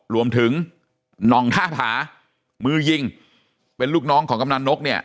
รวมถึงนองท่าผามือยิงเป็นลูกน้องของกำลังนกเนี่ย